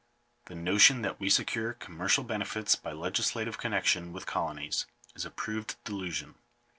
The notion that we secure commercial benefits by legislative connection with colonies, is a proved delusion.